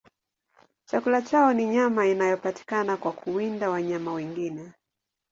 Chakula chao ni nyama inayopatikana kwa kuwinda wanyama wengine.